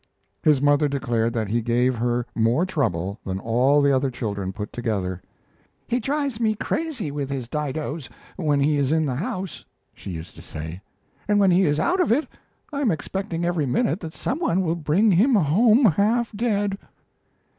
His mother declared that he gave her more trouble than all the other children put together. "He drives me crazy with his didoes, when he is in the house," she used to say; "and when he is out of it I am expecting every minute that some one will bring him home half dead."